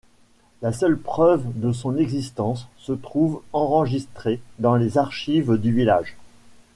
La seule preuve de son existence se trouve enregistrée dans les archives du village.